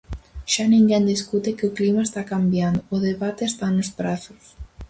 Xa ninguén discute que o clima está cambiando, o debate está nos prazos.